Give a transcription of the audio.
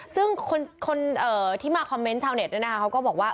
ซึ่งคนที่มาคอมเมนต์ชาวเน็ตเนี่ยนะคะเขาก็บอกว่า